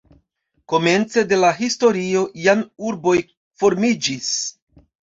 Komence de la historio jam urboj formiĝis.